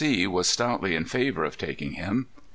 C. was stoutly in favor of taking him.